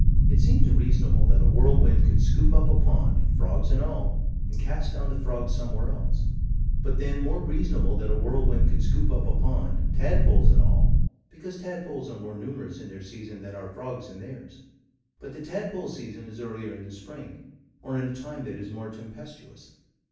It seems reasonable that a whirlwind could scoop up a pond, frogs and all, and cast down the frogs somewhere else: but, then, more reasonable that a whirlwind could scoop up a pond, tadpoles and all because tadpoles are more numerous in their season than are the frogs in theirs: but the tadpole season is earlier in the spring, or in a time that is more tempestuous.